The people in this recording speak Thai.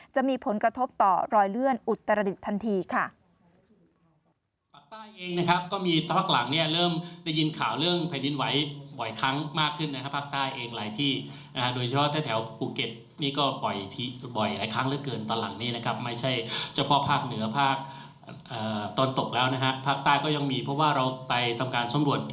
จะมีผลกระทบต่อรอยเลื่อนอุตรดิษฐ์ทันทีค่ะ